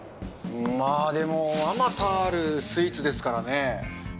まあ、でも、あまたあるスイーツですからね。